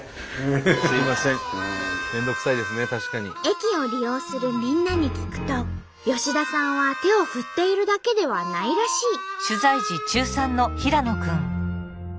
駅を利用するみんなに聞くと吉田さんは手を振っているだけではないらしい。